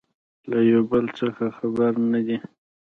له يو بل څخه خبر نه دي